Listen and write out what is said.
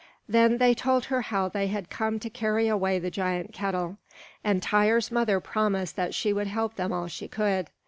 Then they told her how that they had come to carry away the giant kettle; and Tŷr's mother promised that she would help them all she could.